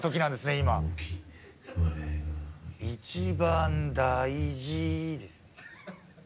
今「一番大事」ですね